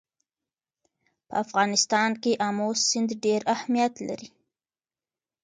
په افغانستان کې آمو سیند ډېر اهمیت لري.